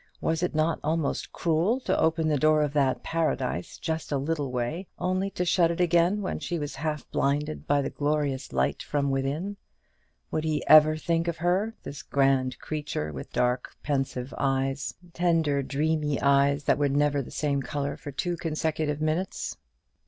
Was it not almost cruel to open the door of that paradise just a little way, only to shut it again when she was half blinded by the glorious light from within? Would he ever think of her, this grand creature with the dark pensive eyes, the tender dreamy eyes that were never the same colour for two consecutive minutes?